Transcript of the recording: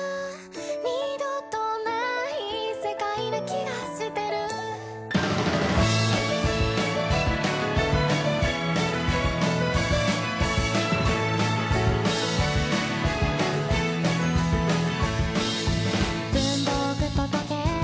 「二度とない世界な気がしてる」「文房具と時計